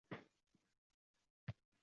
Kimga ko‘mir berding?